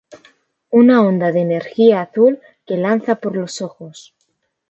Una onda de energía azul que lanza por los ojos.